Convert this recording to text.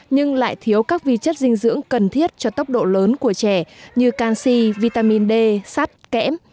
nhưng lại thiếu các vi chất dinh dưỡng cần thiết cho tốc độ lớn của trẻ như canxi vitamin d sắt kẽm